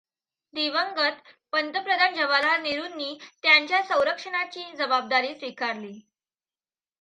दिवंगत पंतप्रधान जवाहरलाल नेहरूंनी त्यांच्या संरक्षणाची जबाबदारी स्वीकारली.